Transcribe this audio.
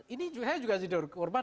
ini saya juga tidur korban